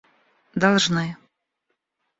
должны